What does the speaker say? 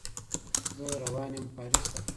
زه روان یم پاريس ته